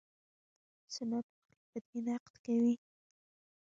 سنت پالي په دې نقد کوي.